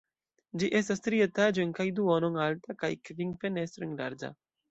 Ĝi estas tri etaĝojn kaj duonon alta, kaj kvin fenestrojn larĝa.